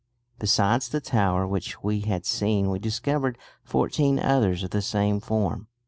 Besides the tower which we had seen we discovered fourteen others of the same form."